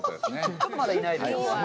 ちょっとまだいないですね。